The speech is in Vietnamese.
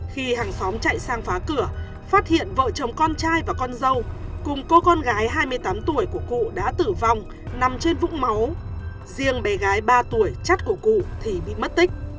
khi hàng xóm chạy sang phá cửa phát hiện vợ chồng con trai và con dâu cùng cô con gái hai mươi tám tuổi của cụ đã tử vong nằm trên vũng máu riêng bé gái ba tuổi chat của cụ thì bị mất tích